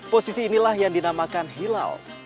posisi inilah yang dinamakan hilal